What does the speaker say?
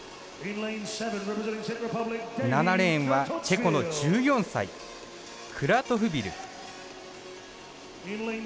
７レーンはチェコの１４歳クラトフビル。